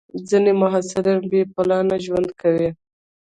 ځینې محصلین بې پلانه ژوند کوي.